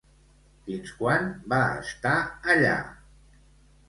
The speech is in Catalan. Fins quan va estar allà?